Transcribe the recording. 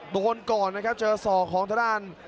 โดนก่อนนะครับเจอส่อของทางด้าน